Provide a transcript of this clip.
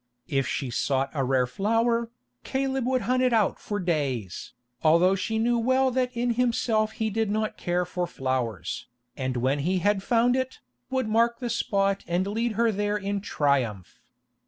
If she sought a rare flower, Caleb would hunt it out for days, although she knew well that in himself he did not care for flowers, and when he had found it, would mark the spot and lead her there in triumph.